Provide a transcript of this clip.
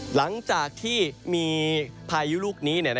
หลังจากที่มีพายุลูกนี้